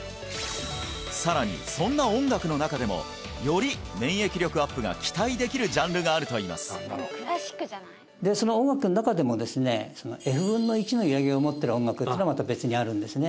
さらにそんな音楽の中でもより免疫力アップが期待できるジャンルがあるといいますでその音楽の中でもですねを持ってる音楽っていうのがまた別にあるんですね